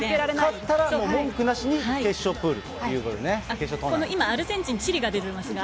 勝ったら、文句なしに決勝プール